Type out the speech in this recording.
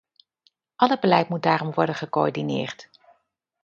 Al het beleid moet daarom worden gecoördineerd.